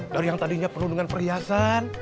dari yang tadinya penuh dengan perhiasan